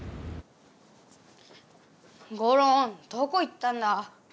ゴロンどこ行ったんだ？